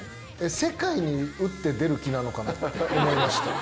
世界に打って出る気なのかなって思いました。